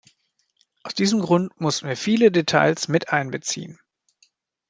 Aus diesem Grund mussten wir viele Details mit einbeziehen.